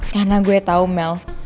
karena gue tau mel